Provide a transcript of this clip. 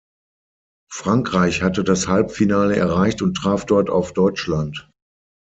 Frankreich hatte das Halbfinale erreicht und traf dort auf Deutschland.